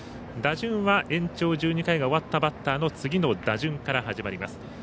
打順は延長１２回が終わったバッターの次の打順から始まります。